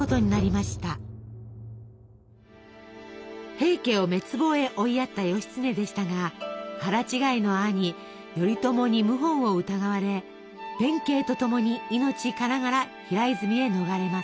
平家を滅亡へ追いやった義経でしたが腹違いの兄頼朝に謀反を疑われ弁慶と共に命からがら平泉へ逃れます。